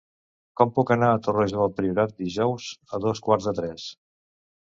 Com puc anar a Torroja del Priorat dijous a dos quarts de tres?